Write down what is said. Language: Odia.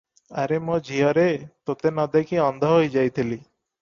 'ଆରେ ମୋଝିଅରେ, ତୋତେ ନ ଦେଖି ଅନ୍ଧ ହୋଇଯାଇଥିଲି ।